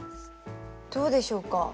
どうでしょうか？